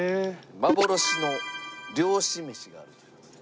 幻の漁師めしがあるという事で。